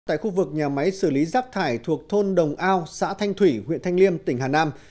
tại khu vực nhà máy xử lý rác thải thuộc thôn đồng ao xã thanh thủy huyện thanh liêm tỉnh hà nam